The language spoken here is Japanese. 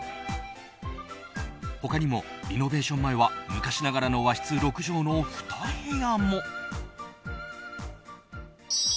他にもリノベーション前は昔ながらの和室６畳の２部屋も。